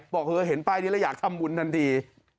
บอกเธอเห็นป้ายนี้แล้วอยากทำบุญทันที